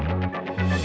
kita bisa bekerja